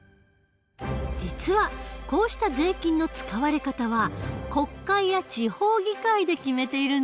実はこうした税金の使われ方は国会や地方議会で決めているんだ。